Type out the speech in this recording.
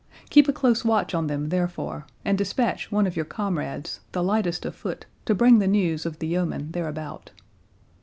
Keep a close watch on them therefore; and dispatch one of your comrades, the lightest of foot, to bring the news of the yeomen thereabout."